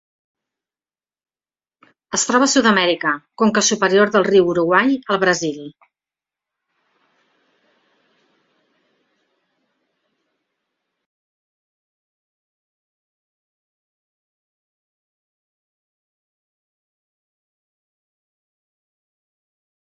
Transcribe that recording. Es troba a Sud-amèrica: conca superior del riu Uruguai al Brasil.